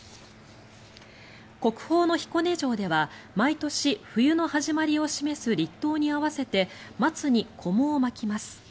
国宝の彦根城では毎年、冬の始まりを示す立冬に合わせて松に、こもを巻きます。